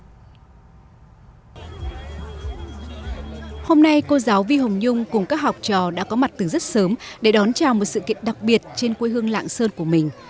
hôm nay cô giáo vi hồng nhung cùng các học trò đã có mặt từ rất sớm để đón chào một sự kiện đặc biệt trên quê hương lạng sơn của mình